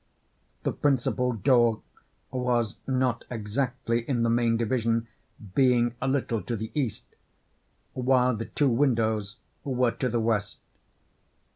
The principal door was not exactly in the main division, being a little to the east—while the two windows were to the west.